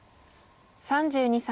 ３２歳。